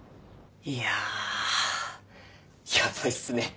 いやあヤバいっすね。